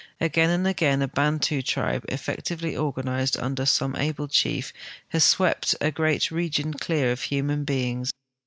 Again and again a Bantu tribe, eftectively organized under some able chief, has swept a great region clear of human beings.